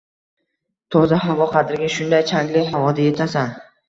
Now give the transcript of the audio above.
Toza havo qadriga shunday changli havoda yetasan